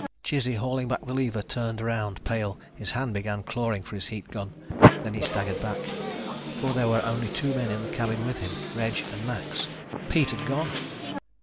Chizzy, hauling back the lever, turned around, pale. His hand began clawing for his heat gun. Then he staggered back. For there were only two men in the cabin with him Reg and Max. Pete had gone!